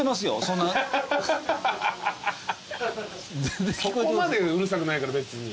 そこまでうるさくないから別に。